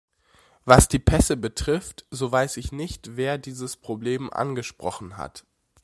Was die Pässe betrifft, so weiß ich nicht, wer dieses Problem angesprochen hat.